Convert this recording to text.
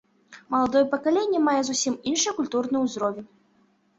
Маладое пакаленне мае зусім іншы культурны ўзровень.